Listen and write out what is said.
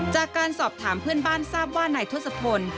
จากการสอบถามเพื่อนบ้านทราบว่านายทศพล